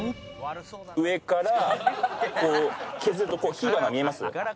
上からこう削ると火花見えます？